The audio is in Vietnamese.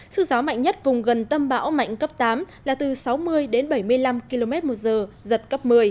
sức gió mạnh nhất vùng gần tâm bão mạnh cấp tám là từ sáu mươi đến bảy mươi năm km một giờ giật cấp một mươi